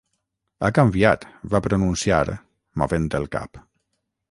"Ha canviat" va pronunciar, movent el cap.